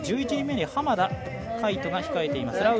１１人目に浜田海人が控えています。